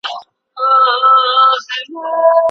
موږ په واده کې دودیزې سندرې واورېدې.